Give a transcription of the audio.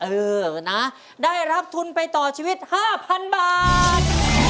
เออนะได้รับทุนไปต่อชีวิต๕๐๐๐บาท